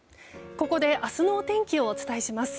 ここで明日のお天気をお伝えします。